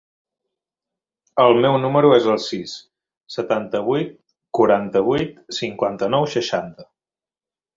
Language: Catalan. El meu número es el sis, setanta-vuit, quaranta-vuit, cinquanta-nou, seixanta.